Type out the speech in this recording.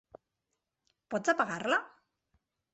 Pots apagar-la?